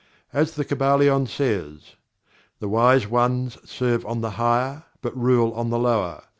As The Kybalion says: "The wise ones serve on the higher, but rule on the lower.